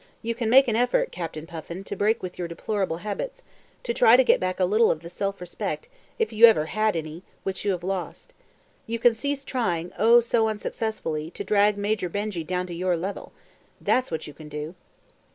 You can make an effort, Captain Puffin, to break with your deplorable habits, to try to get back a little of the self respect, if you ever had any, which you have lost. You can cease trying, oh, so unsuccessfully, to drag Major Benjy down to your level. That's what you can do."